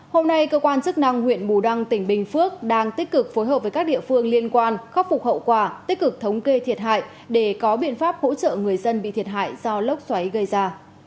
hôm nay cơ quan chức năng huyện bù đăng tỉnh bình phước đang tích cực phối hợp với các địa phương liên quan khắc phục hậu quả tích cực thống kê thiệt hại để có biện pháp hỗ trợ người dân bị thiệt hại do lốc xoáy gây ra